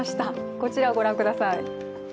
こちらをご覧ください。